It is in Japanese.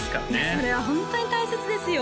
それはホントに大切ですよ